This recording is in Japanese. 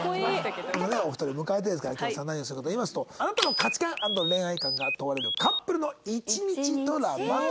そんなねお二人を迎えてですから今日は何をするのかといいますとあなたの価値観＆恋愛観が問われるカップルの一日ドラマという。